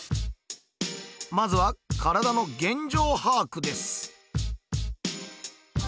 まずは体の現状把握です